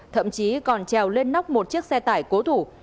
thậm chí còn trèo lên nóc một chiếc xe tải cố thủ